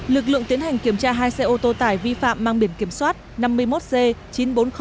lực lượng tiến hành kiểm tra hai xe ô tô tải vi phạm mang biển kiểm soát năm mươi một c chín mươi bốn nghìn sáu